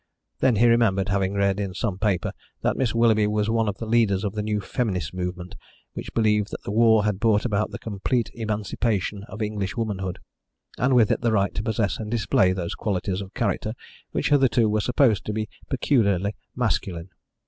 Then he remembered having read in some paper that Miss Willoughby was one of the leaders of the new feminist movement which believed that the war had brought about the complete emancipation of English woman hood, and with it the right to possess and display those qualities of character which hitherto were supposed to be peculiarly masculine.